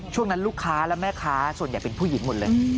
ช่วงนั้นลูกค้าและแม่ค้าส่วนใหญ่เป็นผู้หญิงหมดเลย